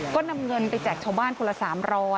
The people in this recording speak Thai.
ก็นำเงินไปแจกชาวบ้านคนละ๓๐๐